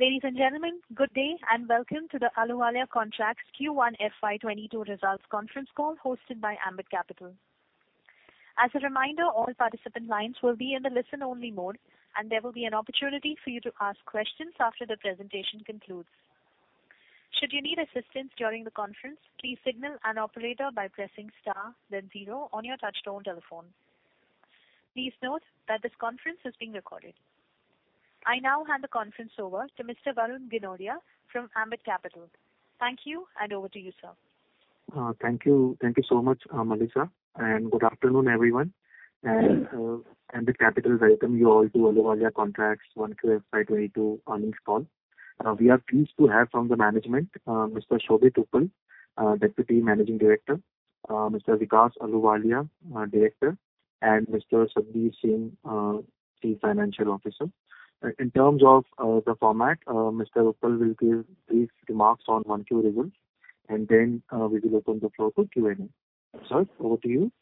Ladies and gentlemen, good day, and welcome to the Ahluwalia Contracts Q1 FY 2022 Results Conference Call, hosted by Ambit Capital. As a reminder, all participant lines will be in the listen-only mode, and there will be an opportunity for you to ask questions after the presentation concludes. Should you need assistance during the conference, please signal an operator by pressing star then zero on your touchtone telephone. Please note that this conference is being recorded. I now hand the conference over to Mr. Varun Ginodia from Ambit Capital. Thank you, and over to you, sir. Thank you. Thank you so much, Melissa, and good afternoon, everyone. And, Ambit Capital welcome you all to Ahluwalia Contracts Q1 FY 2022 Earnings Call. We are pleased to have from the management, Mr. Shobhit Uppal, Deputy Managing Director, Mr. Vikas Ahluwalia, Director, and Mr. Satbeer Singh, Chief Financial Officer. In terms of the format, Mr. Uppal will give brief remarks on Q1 results, and then we will open the floor for Q&A. Sir, over to you.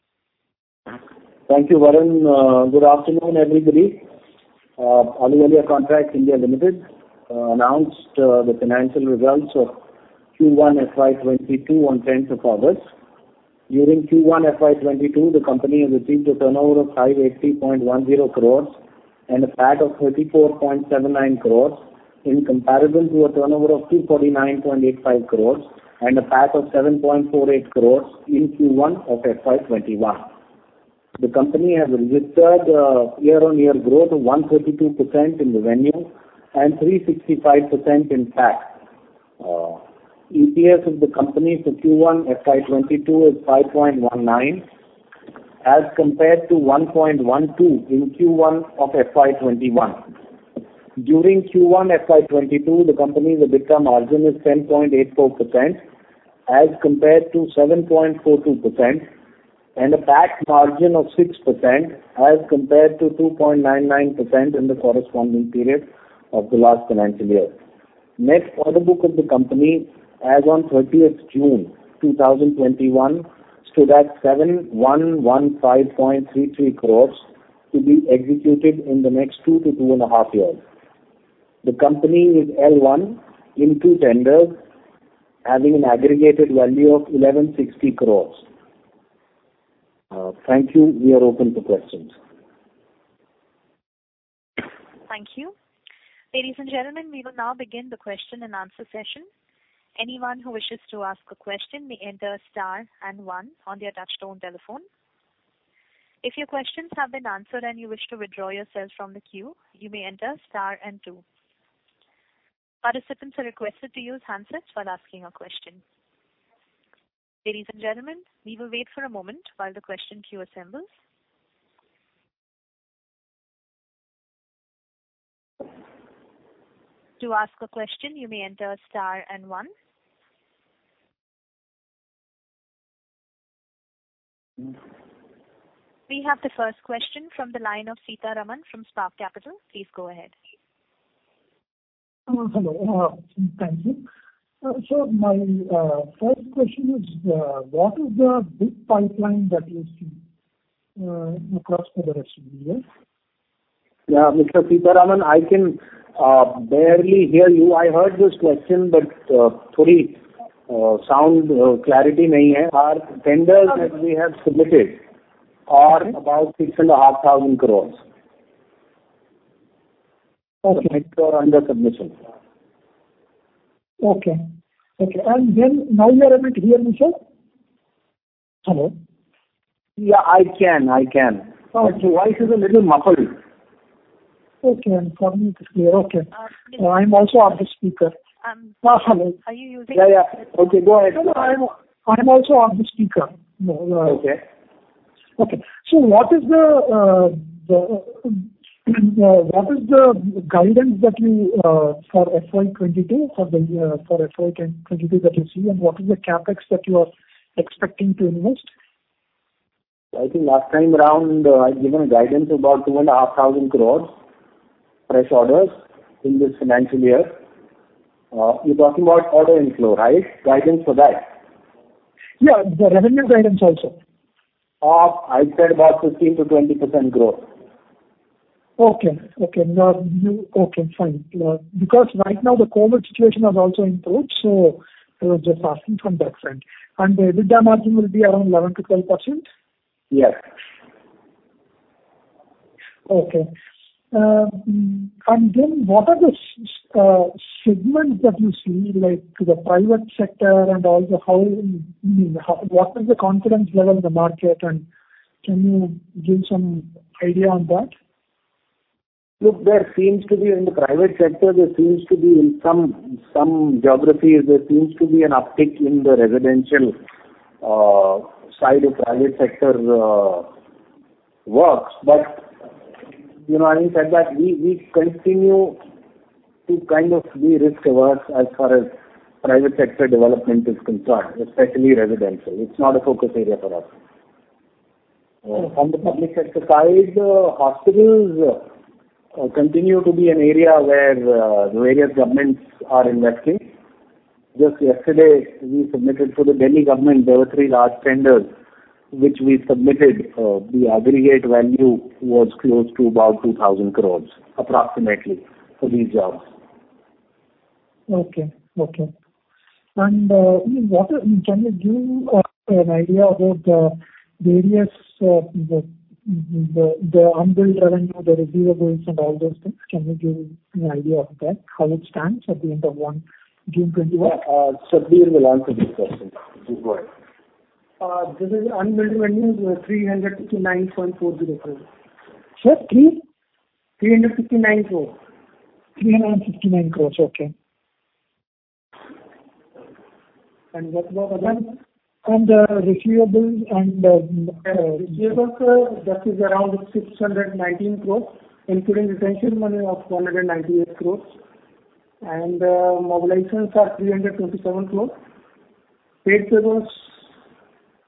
Thank you, Varun. Good afternoon, everybody. Ahluwalia Contracts (India) Limited announced the financial results of Q1 FY 2022 on tenth of August. During Q1 FY 2022, the company has received a turnover of 580.10 crores and a PAT of 34.79 crores, in comparison to a turnover of 249.85 crores and a PAT of 7.48 crores in Q1 of FY 2021. The company has registered year-on-year growth of 132% in the revenue and 365% in PAT. EPS of the company to Q1 FY 2022 is 5.19, as compared to 1.12 in Q1 of FY 2021. During Q1 FY 2022, the company's EBITDA margin is 10.84%, as compared to 7.42%, and a PAT margin of 6%, as compared to 2.99% in the corresponding period of the last financial year. Net order book of the company as on thirtieth June 2021, stood at 7,115.33 crores, to be executed in the next 2-2.5 years. The company is L1 in two tenders, having an aggregated value of 1,160 crores. Thank you. We are open to questions. Thank you. Ladies and gentlemen, we will now begin the question-and-answer session. Anyone who wishes to ask a question may enter star and one on their touchtone telephone. If your questions have been answered and you wish to withdraw yourself from the queue, you may enter star and two. Participants are requested to use handsets while asking a question. Ladies and gentlemen, we will wait for a moment while the question queue assembles. To ask a question, you may enter star and one. We have the first question from the line of Sitaraman from Spark Capital. Please go ahead. Hello. Thank you. So my first question is, what is the big pipeline that you see across for the rest of the year? Yeah, Mr. Sitaraman, I can barely hear you. I heard your question, but sound clarity नहीं है. Our tenders that we have submitted are about 6,500 crore- Okay -under submission. Okay. Okay, and then now you are able to hear me, sir? Hello. Yeah, I can. I can. Okay. Voice is a little muffled. Okay, for me, it is clear. Okay. Uh, I'm also on the speaker. Um- Uh, hello. Are you using- Yeah, yeah. Okay, go ahead. No, no, I'm, I'm also on the speaker. Okay. Okay. So what is the guidance that you for FY 2022, for FY 2022 that you see, and what is the CapEx that you are expecting to invest? I think last time around, I'd given a guidance about 2,500 crore, fresh orders in this financial year. You're talking about order inflow, right? Guidance for that. Yeah, the revenue guidance also. I said about 15%-20% growth. Okay, fine. Because right now, the COVID situation has also improved, so I was just asking from that side. The EBITDA margin will be around 11%-12%? Yes. Okay. And then what are the segments that you see, like to the private sector and also how what is the confidence level in the market, and can you give some idea on that? Look, there seems to be in the private sector, there seems to be in some, some geographies, there seems to be an uptick in the residential, side of private sector, works. But, you know, having said that, we, we continue to kind of be risk-averse as far as private sector development is concerned, especially residential. It's not a focus area for us. Uh- On the public sector side, hospitals continue to be an area where the various governments are investing. Just yesterday, we submitted for the Delhi government; there were three large tenders, which we submitted. The aggregate value was close to about 2,000 crore, approximately, for these jobs. Okay, okay. And, what can you give an idea about the various unbilled revenue, the receivables, and all those things? Can you give me an idea of that, how it stands at the end of Q1, June 2021? Satbeer will answer this question. Please go ahead.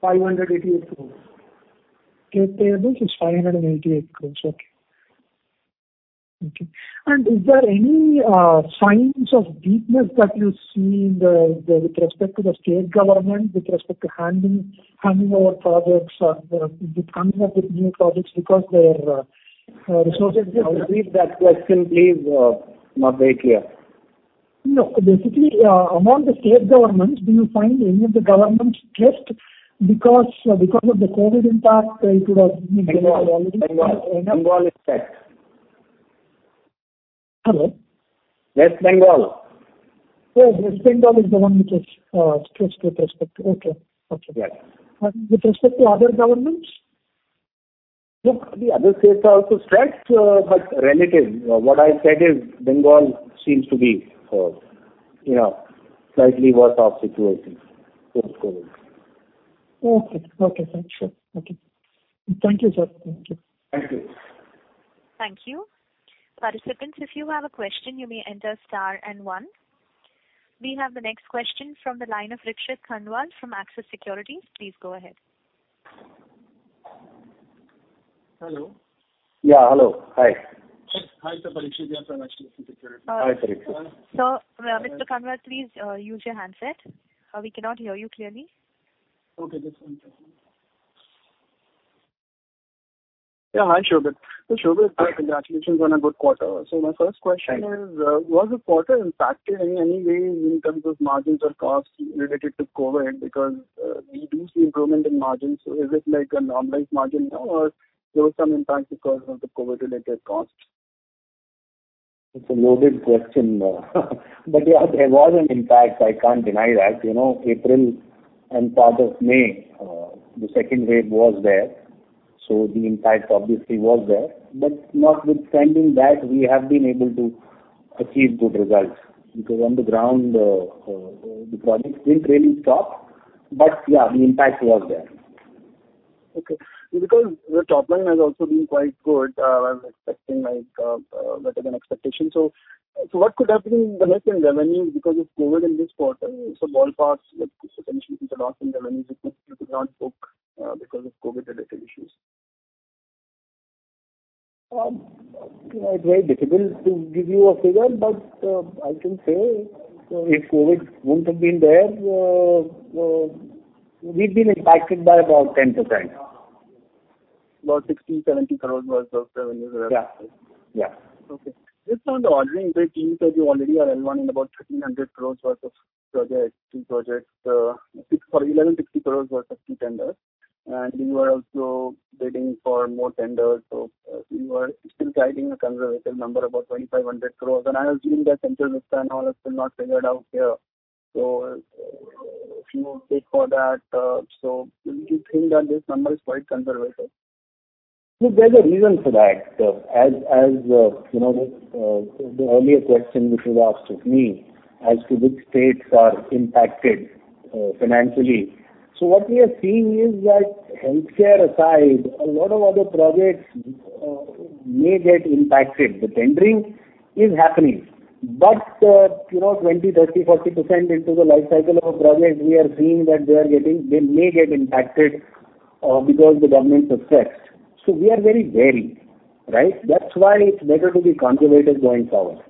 This is Unbilled Revenue, INR 399.40 crores. Sir, three? INR 359 crore. INR 359 crore, okay. What about other? And, receivables and, Receivables, that is around INR 619 crores, including retention money of INR 198 crores. Mobilizations are INR 327 crores. Trade payables, INR 588 crores. Trade payables is INR 588 crore, okay. Okay, and is there any signs of weakness that you see in the with respect to the state government, with respect to handing, handing over projects or with coming up with new projects because their resources- Repeat that question, please. Not very clear. No, basically, among the state governments, do you find any of the governments stressed because of the COVID impact, it would have- Bengal, Bengal, Bengal is stressed. Hello? West Bengal. Yes, West Bengal is the one which is, stressed with respect to... Okay, okay. Yes. With respect to other governments? Look, the other states are also stressed, but relative. What I said is Bengal seems to be, you know, slightly worse off situation with COVID. Okay, okay. Thanks, sure. Okay. Thank you, sir. Thank you. Thank you. Thank you. Participants, if you have a question, you may enter star and one. We have the next question from the line of Parikshit Kandpal from HDFC Securities. Please go ahead. Hello. Yeah, hello. Hi. Hi, Parikshit here from HDFC Securities. Hi, Parikshit. Sir, Mr. Kandpal, please, use your handset. We cannot hear you clearly. Okay, just one second. Yeah, hi, Shobhit. Shobhit, congratulations on a good quarter. So my first question is, was the quarter impacted in any way in terms of margins or costs related to COVID? Because, we do see improvement in margins, so is it like a normalized margin now, or there was some impact because of the COVID-related costs? It's a loaded question, but, yeah, there was an impact, I can't deny that. You know, April and part of May, the second wave was there, so the impact obviously was there. But notwithstanding that, we have been able to achieve good results, because on the ground, the projects didn't really stop. But yeah, the impact was there. Okay. Because the top line has also been quite good, I'm expecting like, better than expectation. So what could have been the missing revenue because of COVID in this quarter? So ballparks, like, potentially, there's a loss in revenue you could not book, because of COVID-related issues. It's very difficult to give you a figure, but I can say if COVID wouldn't have been there, we've been impacted by about 10%. About INR 60-70 crore worth of revenue. Yeah, yeah. Okay. Just on the ordering, because you already are earning about 1,300 crore worth of projects, new projects, 160 or 1,160 crore worth of tenders, and you are also bidding for more tenders. So you are still guiding a conservative number, about 2,500 crore. And I assume that Central Vista and all are still not figured out here. So if you take for that, so do you think that this number is quite conservative? Look, there's a reason for that. As you know, the earlier question which was asked of me as to which states are impacted, financially. So what we are seeing is that healthcare aside, a lot of other projects may get impacted. The tendering is happening, but, you know, 20, 30, 40% into the life cycle of a project, we are seeing that they may get impacted because the government is stressed. So we are very wary, right? That's why it's better to be conservative going forward.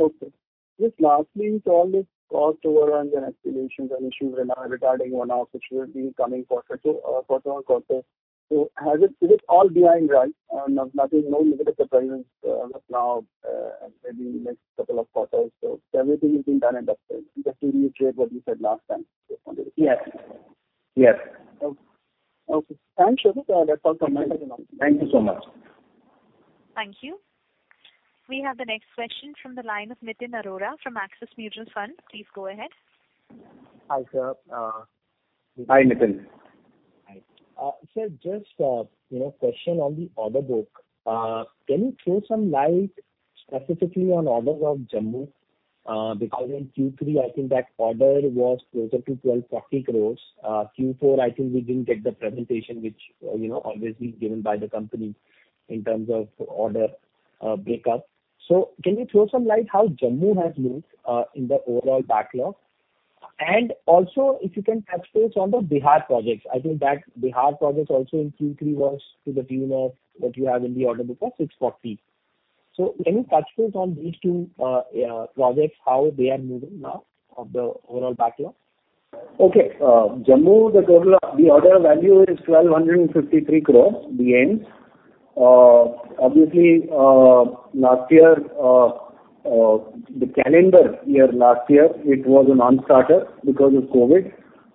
Okay. Just lastly, so all this cost overruns and escalations and issues regarding monsoon situation coming for fifth, Q4. So has it, is it all behind, right? And nothing, no negative surprises, now, maybe next couple of quarters. So everything has been done and dusted, just to reiterate what you said last time? Yes, yes. Okay. Okay, thanks, Shobhit. That's all from my side. Thank you so much. Thank you. We have the next question from the line of Nitin Arora from Axis Mutual Fund. Please go ahead. Hi, sir. Hi, Nitin. Hi. Sir, just, you know, question on the order book. Can you throw some light specifically on orders of Jammu? Because in Q3, I think that order was closer to 1,240 crore. Q4, I think we didn't get the presentation, which, you know, obviously given by the company in terms of order, breakup. So can you throw some light how Jammu has moved, in the overall backlog? ...And also, if you can touch base on the Bihar projects. I think that Bihar projects also in Q3 was to the tune of what you have in the order book of 640. So can you touch base on these two, yeah, projects, how they are moving now of the overall backlog? Okay, Jammu, the total, the order value is INR 1,253 crore. Obviously, last year, the calendar year last year, it was a non-starter because of COVID.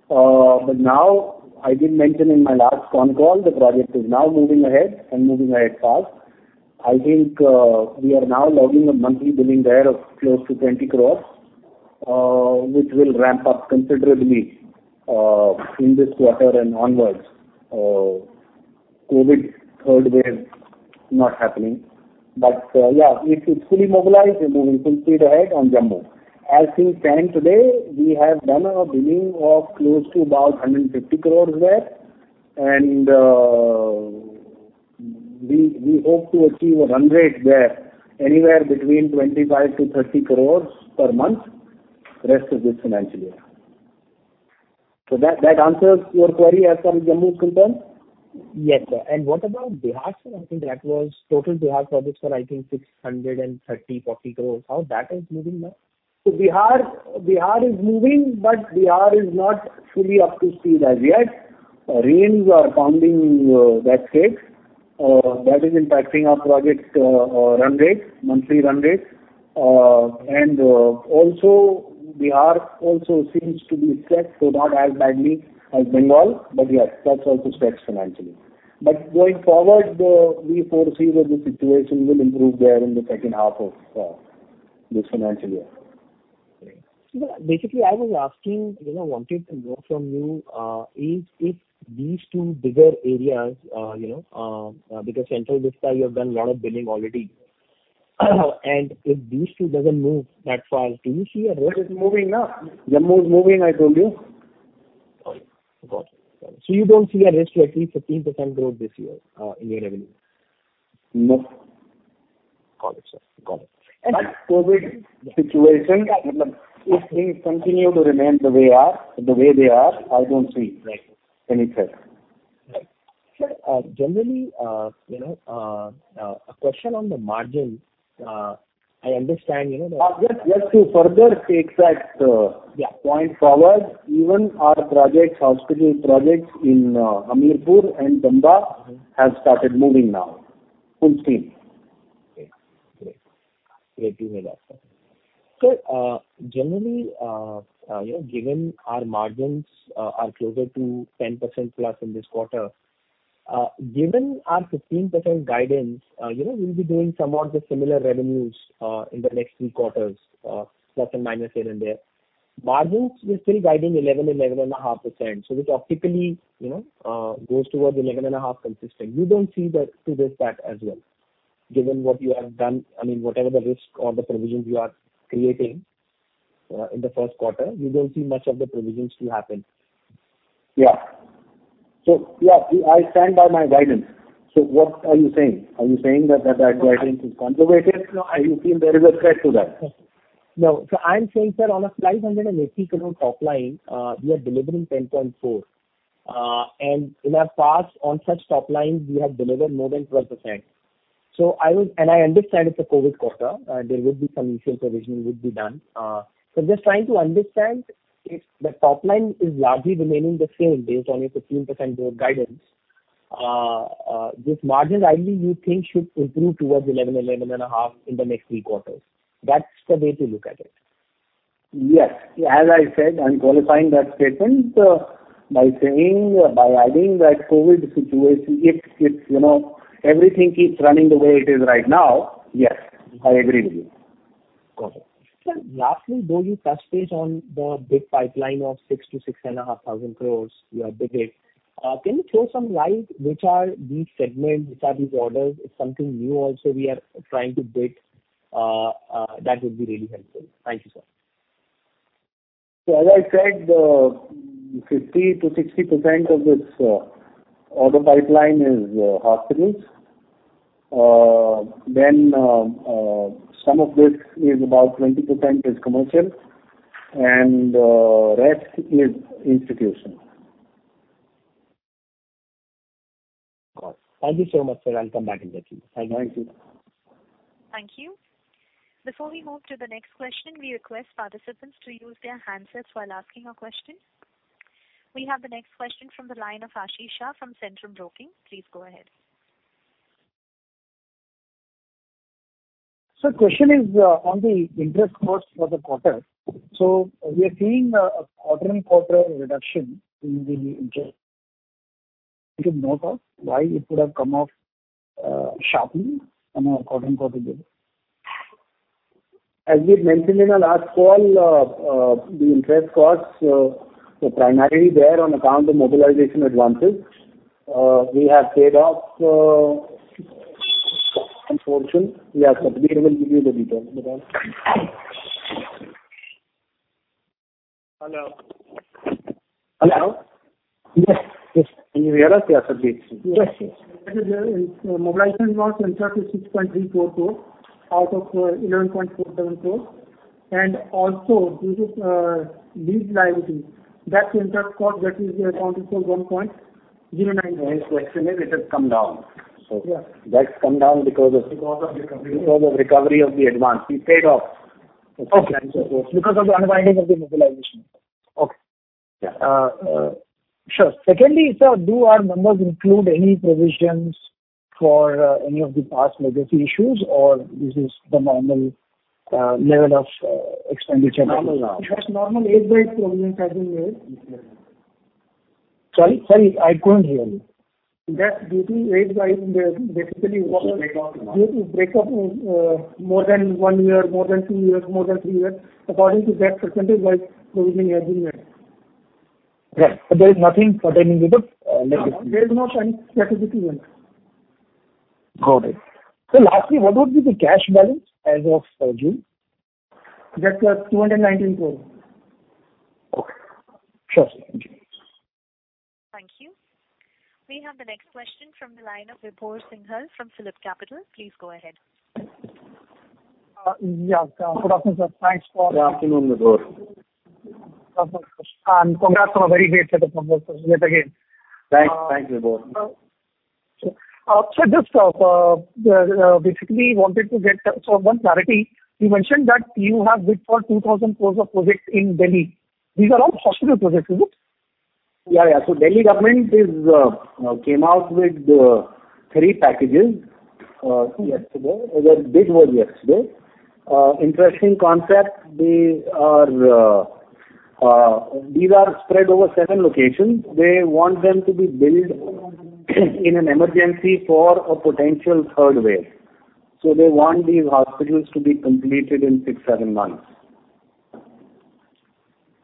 But now, I did mention in my last con call, the project is now moving ahead and moving ahead fast. I think, we are now logging a monthly billing there of close to 20 crore, which will ramp up considerably, in this quarter and onwards. COVID third wave not happening, but, yeah, it is fully mobilized and moving full speed ahead on Jammu. As things stand today, we have done a billing of close to about 150 crore there, and, we hope to achieve a run rate there anywhere between 25 crore-30 crore per month, rest of this financial year. So that answers your query as far as Jammu is concerned? Yes, sir. And what about Bihar, sir? I think that was total Bihar projects were I think 634 crores. How that is moving now? So, Bihar is moving, but Bihar is not fully up to speed as yet. Rains are pounding that state, that is impacting our project run rates, monthly run rates. And, also, Bihar also seems to be stretched, though not as badly as Bengal, but yes, that's also stretched financially. But going forward, though, we foresee that the situation will improve there in the second half of this financial year. Great. Basically, I was asking, you know, wanted to know from you, is if these two bigger areas, you know, because Central Vista, you have done a lot of billing already, and if these two doesn't move that far, do you see a risk- It is moving now. Jammu is moving, I told you. Got it. Got it. So you don't see a risk to at least 15% growth this year, in your revenue? No. Got it, sir. Got it. But COVID situation, if things continue to remain the way they are, I don't see- Right. Any risk. Right. Sir, generally, you know, a question on the margin, I understand, you know- Just to further take that. Yeah Point forward, even our projects, hospital projects in Hamirpur and Chamba have started moving now, full steam. Great. Great. Great to hear that, sir. So, generally, you know, given our margins are closer to 10% plus in this quarter, given our 15% guidance, you know, we'll be doing somewhat the similar revenues in the next three quarters, plus or minus here and there. Margins, we're still guiding 11%-11.5%. So this optically, you know, goes towards 11.5% consistent. You don't see that to this fact as well, given what you have done, I mean, whatever the risk or the provisions you are creating in the Q1, you don't see much of the provisions to happen? Yeah. So, yeah, I stand by my guidance. So what are you saying? Are you saying that, that guidance is conservative? No. Or you think there is a threat to that? No. So I'm saying, sir, on a 580 crore top line, we are delivering 10.4%. And in our past, on such top lines, we have delivered more than 12%. So I would... And I understand it's a COVID quarter, there would be some initial provisioning would be done. So just trying to understand if the top line is largely remaining the same based on your 15% growth guidance, this margin, ideally, you think should improve towards 11%-11.5% in the next three quarters. That's the way to look at it. Yes. As I said, I'm qualifying that statement, by saying, by adding that COVID situation, if it's, you know, everything keeps running the way it is right now, yes, I agree with you. Got it. Sir, lastly, though, you touched base on the big pipeline of 6,000 crore-6,500 crore, your big eight. Can you throw some light, which are these segments, which are these orders? If something new also we are trying to bid, that would be really helpful. Thank you, sir. So as I said, 50%-60% of this order pipeline is hospitals. Then, some of this is about 20% is commercial, and rest is institutional. Got it. Thank you so much, sir. I'll come back in touch with you. Thank you. Thank you. Before we move to the next question, we request participants to use their handsets while asking a question. We have the next question from the line of Ashish Shah from Centrum Broking. Please go ahead. Sir, question is, on the interest costs for the quarter. So we are seeing a quarter-on-quarter reduction in the interest. Can you note us why it would have come off, sharply on a quarter-on-quarter basis? As we mentioned in our last call, the interest costs were primarily borne on account of mobilization advances. We have paid off, unfortunately. Yeah, Satbeer will give you the details.... Hello? Yes, yes. Can you hear us, Satbeer? Yes, yes. Mobilization was interest INR 6.34 crores out of INR 11.47 crores. And also due to lease liability, that contract cost that is accounted for 1.09 crores. Yes, it has come down. Yeah. That's come down because of- Because of recovery. Because of recovery of the advance. We paid off. Okay. Because of the unwinding of the mobilization. Okay. Yeah. Sure. Secondly, sir, do our numbers include any provisions for any of the past legacy issues, or this is the normal level of expenditure? Normal. Just normal age-wise provisions have been made. Sorry, sorry, I couldn't hear you. That due to age-wise, basically. Break up. Due to break up, more than 1 year, more than 2 years, more than 3 years, according to that percentage-wise provision has been made. Right. But there is nothing pertaining to the legacy? There is no strategic event. Got it. So lastly, what would be the cash balance as of June? That's INR 219 crore. Okay. Sure, sir. Thank you. Thank you. We have the next question from the line of Vibhor Singhal from PhillipCapital. Please go ahead. Yeah. Good afternoon, sir. Thanks for- Good afternoon, Vibhor. Congrats on a very great set of numbers yet again. Thanks. Thanks, Vibhor. So just, basically wanted to get, sort of one clarity. You mentioned that you have bid for 2,000 crore of projects in Delhi. These are all hospital projects, is it? Yeah, yeah. So Delhi government is, came out with, three packages, yesterday. Well, bid was yesterday. Interesting concept. They are... These are spread over seven locations. They want them to be built in an emergency for a potential third wave. So they want these hospitals to be completed in six, seven months.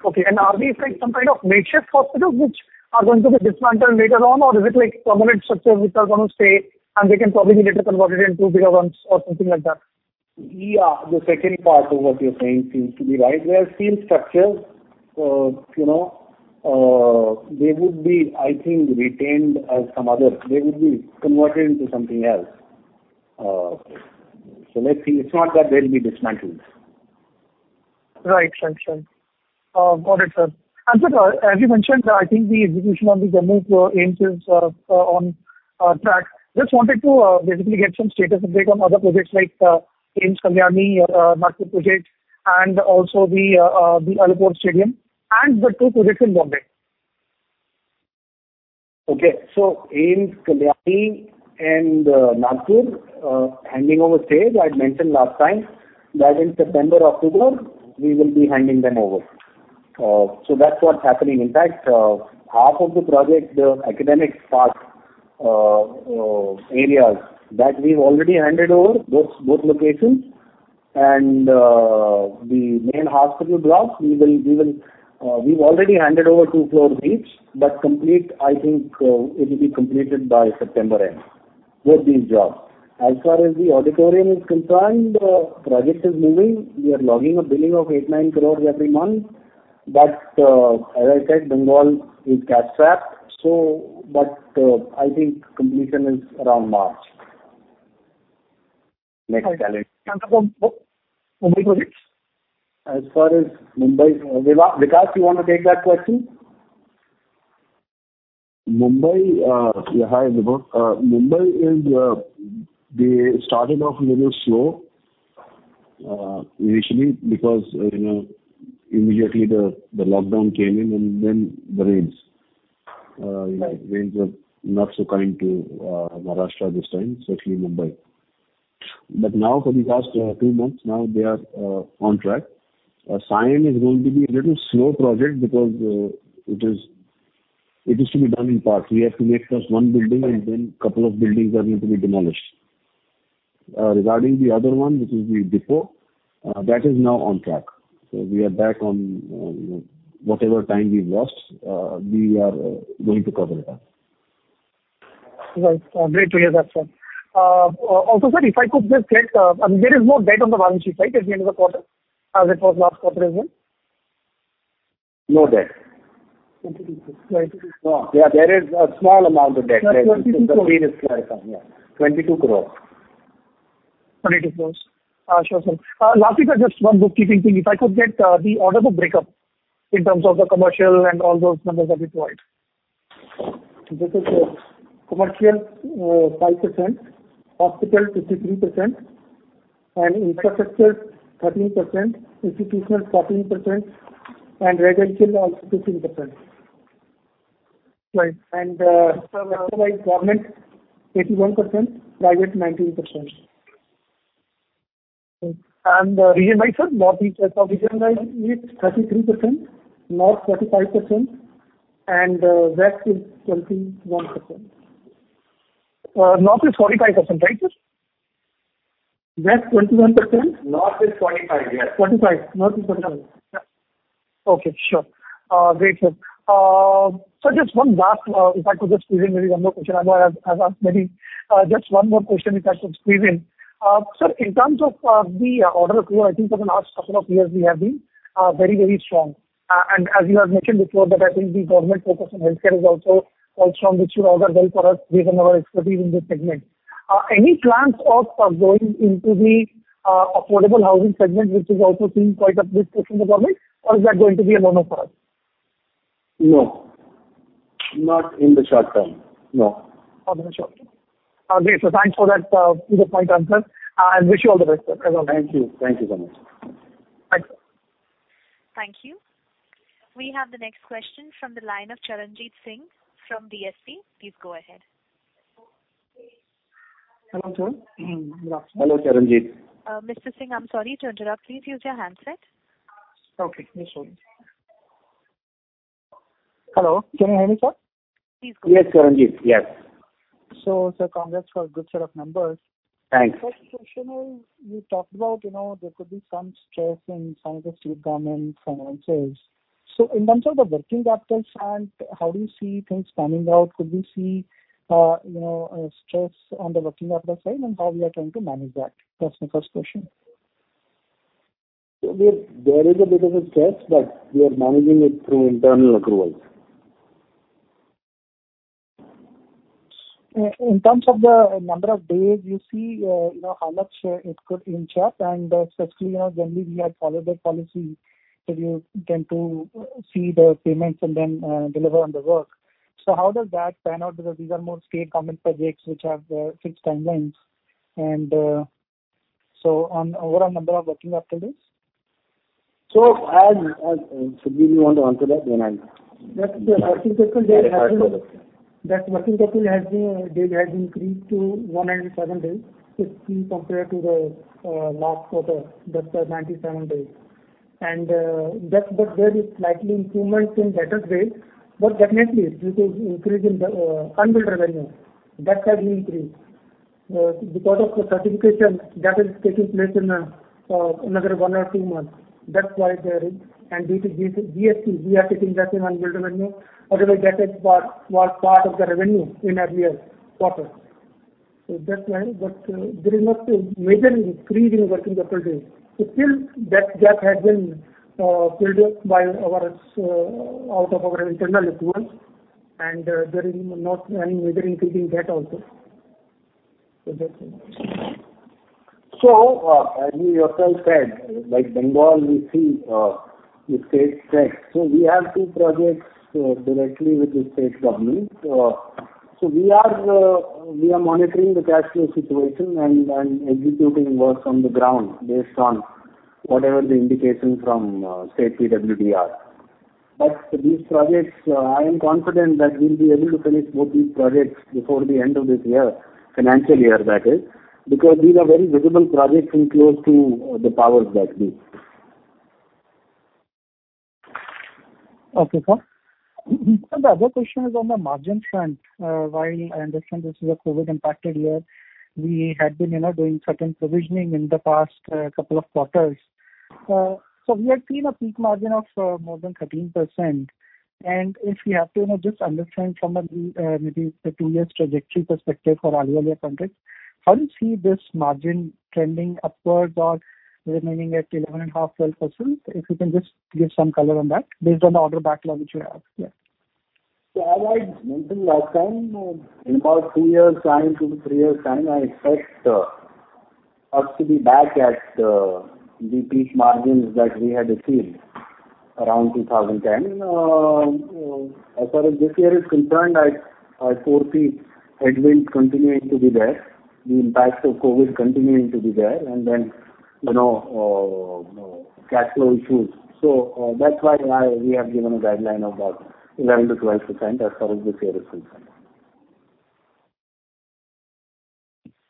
Okay. Are these like some kind of makeshift hospitals which are going to be dismantled later on, or is it like permanent structures which are gonna stay, and they can probably be later converted into bigger ones or something like that? Yeah, the second part of what you're saying seems to be right. We have seen structures, you know, they would be, I think, retained as some other. They would be converted into something else. So let's see. It's not that they'll be dismantled. Right. Sure, sure. Got it, sir. Sir, as you mentioned, I think the execution on the Jammu AIIMS is on track. Just wanted to basically get some status update on other projects like AIIMS Kalyani, Nagpur project, and also the Alipore auditorium and the two projects in Bombay. Okay. So AIIMS Kalyani and Nagpur handing over stage. I'd mentioned last time that in September, October, we will be handing them over. So that's what's happening. In fact, half of the project, the academic part areas, that we've already handed over both locations. And the main hospital blocks, we've already handed over two floors each, but complete, I think it will be completed by September end, both these jobs. As far as the auditorium is concerned, project is moving. We are logging a billing of 8-9 crores every month. But as I said, Bengal is cash-strapped, so but I think completion is around March, next calendar year. The Bombay projects? As far as Mumbai... Vikas, you want to take that question? Mumbai. Yeah, hi, Vibhor. Mumbai is, they started off a little slow, initially, because, you know, immediately the lockdown came in and then the rains. Right. Rains were not so kind to Maharashtra this time, especially Mumbai. But now for the last two months, now they are on track. Sion is going to be a little slow project because it is to be done in parts. We have to make just one building and then couple of buildings are going to be demolished. Regarding the other one, which is the depot, that is now on track. So we are back on, you know, whatever time we've lost, we are going to cover it up. Right. Great to hear that, sir. Also, sir, if I could just check, there is no debt on the balance sheet, right, at the end of the quarter, as it was last quarter as well? No debt. Twenty-two. No. Yeah, there is a small amount of debt. INR 22 crore. The claim is clarified, yeah. 22 crore. 22 crore. Sure, sir. Lastly, sir, just one bookkeeping thing. If I could get the order of the breakup in terms of the commercial and all those numbers that you provide. This is commercial, 5%, hospital, 53%, and infrastructure, 13%, institutional, 14%, and residential, 15%. Right. Structure-wise, government 81%, private 19%. Region-wise, sir, north, east, south? Region-wise, it's 33%, north, 45%, and west is 21%. North is 45%, right, sir? West, 21%? North is 45, yes. 45. North is 45. Yeah. Okay, sure. Great, sir. So just one last, if I could just squeeze in maybe one more question. I know I have asked many. Just one more question, if I could squeeze in.... So in terms of, the order flow, I think for the last couple of years, we have been, very, very strong. And as you have mentioned before, that I think the government focus on healthcare is also quite strong, which should order well for us based on our expertise in this segment. Any plans of, of going into the, affordable housing segment, which is also seeing quite a push from the government, or is that going to be a no-no for us? No, not in the short term. No. Not in the short term. Okay, so thanks for that, to-the-point answer. I wish you all the best, sir. Thank you. Thank you very much. Thanks. Thank you. We have the next question from the line of Charanjeet Singh from DSP Mutual Fund. Please go ahead. Hello, sir. Good afternoon. Hello, Charanjeet. Mr. Singh, I'm sorry to interrupt. Please use your handset. Okay, sure. Hello, can you hear me, sir? Yes, Charanjeet, yes. So, sir, congrats for a good set of numbers. Thanks. First question is, you talked about, you know, there could be some stress in some of the state government finances. So in terms of the working capital front, how do you see things panning out? Could we see, you know, stress on the working capital side, and how we are trying to manage that? That's my first question. There, there is a bit of a stress, but we are managing it through internal accruals. In terms of the number of days, you see, you know, how much it could inch up? And, specifically, you know, generally, we have followed the policy that you tend to see the payments and then deliver on the work. So how does that pan out? Because these are more state government projects which have fixed timelines. And, so on overall number of working capital days? So, as Satbeer, you want to answer that, then I- That working capital has been days has increased to 107 days, 50 compared to the last quarter, that was 97 days. And that, but there is slightly improvement in better days, but definitely due to increase in the unbilled revenue, that has increased. Because of the certification that is taking place in another 1 or 2 months, that's why there is. And due to GST, we are taking that in unbilled revenue. Otherwise, that is part, was part of the revenue in every quarter. So that's why, but there is not a major increase in working capital days. So still, that gap has been filled up by our out of our internal accruals, and there is not any major increase in debt also. So that's it. So, as you yourself said, like Bengal, we see the state strength. So we have two projects directly with the state government. So we are monitoring the cash flow situation and executing work on the ground based on whatever the indications from state PWD. But these projects, I am confident that we'll be able to finish both these projects before the end of this year, financial year, that is, because these are very visible projects and close to the powers that be. Okay, sir. The other question is on the margin front. While I understand this is a COVID-impacted year, we had been, you know, doing certain provisioning in the past couple of quarters. So we had seen a peak margin of more than 13%. And if we have to, you know, just understand from a maybe the two-years trajectory perspective for annual year contracts, how do you see this margin trending upwards or remaining at 11.5%-12%? If you can just give some color on that based on the order backlog which you have here. So as I mentioned last time, in about 2 years' time to 3 years' time, I expect us to be back at the peak margins that we had achieved around 2010. As far as this year is concerned, I foresee headwinds continuing to be there, the impacts of COVID continuing to be there, and then, you know, cash flow issues. So, that's why we have given a guideline of about 11%-12% as far as this year is concerned.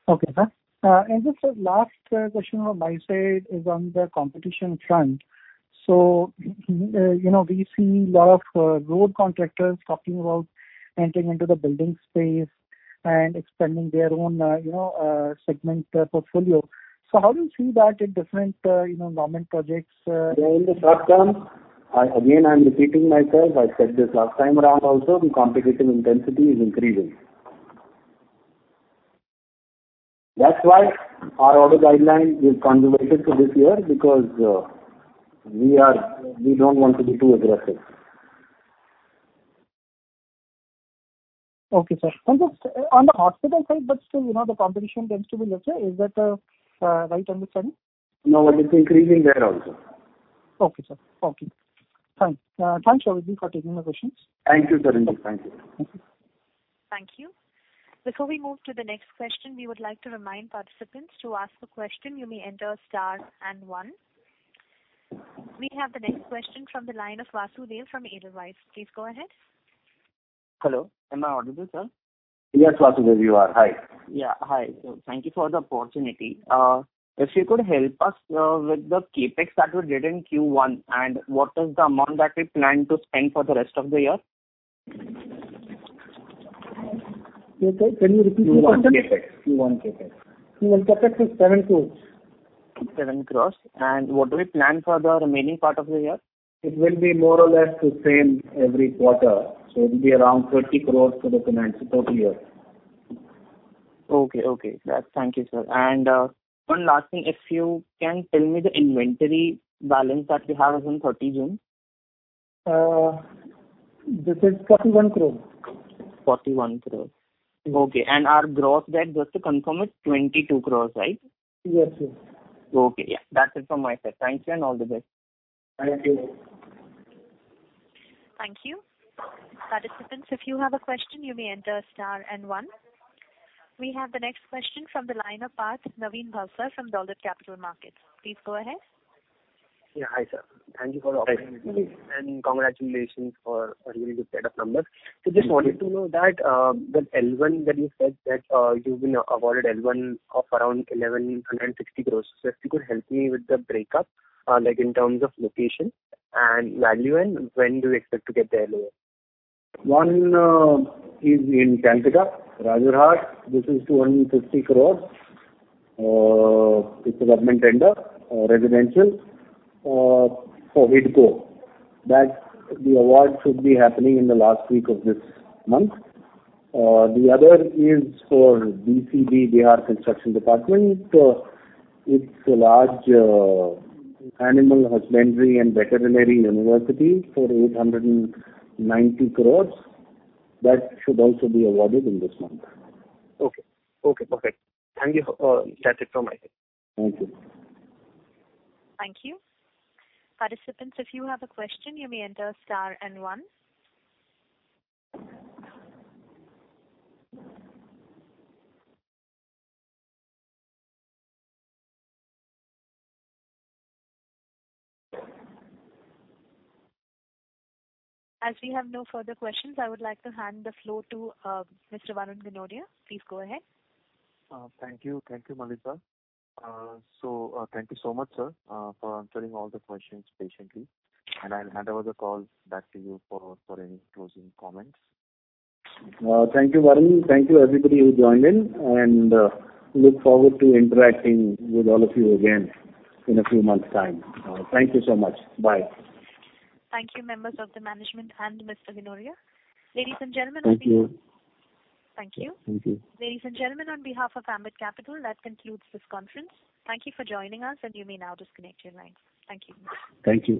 Okay, sir. Just a last question on my side is on the competition front. So, you know, we see a lot of road contractors talking about entering into the building space and expanding their own, you know, segment portfolio. So how do you see that in different, you know, government projects- In the short term, I, again, I'm repeating myself, I said this last time around also, the competitive intensity is increasing. That's why our order guideline is conservative to this year, because we don't want to be too aggressive. Okay, sir. And just on the hospital side, but still, you know, the competition tends to be lesser. Is that right understanding? No, it is increasing there also. Okay, sir. Okay. Thanks. Thanks a lot for taking my questions. Thank you, Charanjeet. Thank you. Thank you. Before we move to the next question, we would like to remind participants, to ask a question you may enter star and one. We have the next question from the line of Vasudev from Edelweiss. Please go ahead. Hello, am I audible, sir? Yes, Vasudev, you are. Hi. Yeah, hi. Thank you for the opportunity. If you could help us with the CapEx that we did in Q1, and what is the amount that we plan to spend for the rest of the year? Okay, can you repeat the question? Q1 CapEx. Q1 CapEx. Q1 CapEx is 7 crore. 7 crore, and what do we plan for the remaining part of the year? It will be more or less the same every quarter, so it'll be around 30 crore for the next total year. Okay, okay. That's, thank you, sir. And, one last thing, if you can tell me the inventory balance that you have as on 30 June? This is INR 41 crore. Forty-one crore. Yes. Okay. And our gross debt, just to confirm, is 22 crores, right? Yes, sir. Okay, yeah. That's it from my side. Thank you, and all the best. Thank you. Thank you. Participants, if you have a question, you may enter star and one. We have the next question from the line of Parth Bhavsar from Dolat Capital. Please go ahead. Yeah, hi, sir. Thank you for the opportunity- Hi. And congratulations for a really good set of numbers. Thank you. So just wanted to know that, the L1 that you said that, you've been awarded L1 of around 1,160 crores. So if you could help me with the breakup, like in terms of location and value, and when do you expect to get the LOA? One is in Kolkata, Rajarhat. This is 250 crore. It's a government tender, residential, for HIDCO. That the award should be happening in the last week of this month. The other is for BCD, Building Construction Department. It's a large, animal husbandry and veterinary university for 890 crore. That should also be awarded in this month. Okay. Okay, perfect. Thank you. That's it from my side. Thank you. Thank you. Participants, if you have a question, you may enter star and one. As we have no further questions, I would like to hand the floor to Mr. Varun Ginodia. Please go ahead. Thank you. Thank you, Melissa. So, thank you so much, sir, for answering all the questions patiently, and I'll hand over the call back to you for any closing comments. Thank you, Varun. Thank you, everybody, who joined in, and look forward to interacting with all of you again in a few months' time. Thank you so much. Bye. Thank you, members of the management and Mr. Ginodia. Ladies and gentlemen, on behalf of- Thank you. Thank you. Thank you. Ladies and gentlemen, on behalf of Ambit Capital, that concludes this conference. Thank you for joining us, and you may now disconnect your lines. Thank you. Thank you.